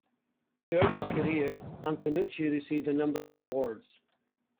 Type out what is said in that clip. Throughout his career, Antonucci received a number of awards.